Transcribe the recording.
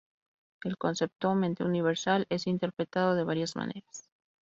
El concepto "Mente universal" es interpretado de varias maneras.